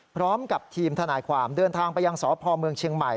พร้อมกับทีมทนายความเดินทางไปยังสพเมืองเชียงใหม่